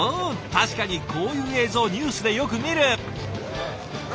確かにこういう映像ニュースでよく見る！